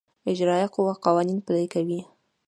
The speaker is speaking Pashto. اجرائیه قوه قوانین پلي کوي